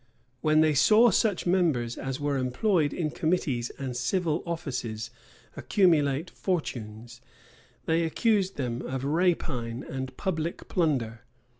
When they saw such members as were employed in committees and civil offices accumulate fortunes, they accused them of rapine and public plunder.